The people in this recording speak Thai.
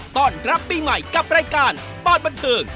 ต้อนรับปีใหม่กับรายการสปอร์ตบันเทิง